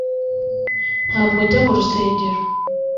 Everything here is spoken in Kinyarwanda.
ntabwo njya mu rusengero